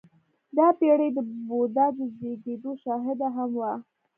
• دا پېړۍ د بودا د زېږېدو شاهده هم وه.